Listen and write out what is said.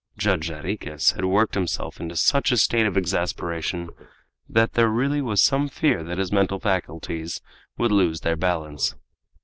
Judge Jarriquez had worked himself into such a state of exasperation that there really was some fear that his mental faculties would lose their balance.